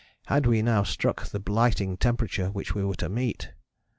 Had we now struck the blighting temperature which we were to meet....